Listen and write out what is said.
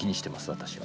私は。